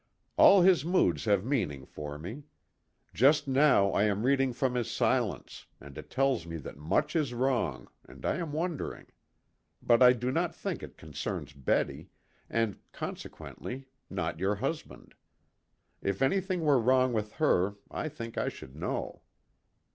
All his moods have meaning for me. Just now I am reading from his silence, and it tells me that much is wrong, and I am wondering. But I do not think it concerns Betty and, consequently, not your husband; if anything were wrong with her I think I should know."